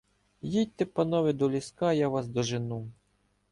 їдьте, панове, до ліска, я вас дожену.